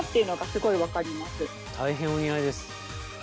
大変お似合いです。